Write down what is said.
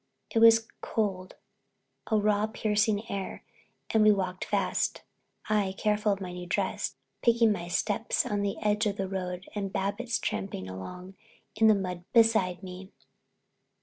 It was cold, a raw, piercing air, and we walked fast, I—careful of my new dress—picking my steps on the edge of the road and Babbitts tramping along in the mud beside me.